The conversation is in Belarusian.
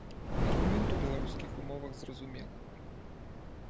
Аргумент у беларускіх умовах зразумелы.